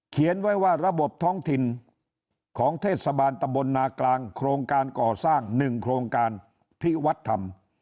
เขียนไว้ว่าระบบท้องถิ่นของเทศบาลตำบลนากลางโครงการก่อสร้าง๑โครงการพิวัฒน์ธรรม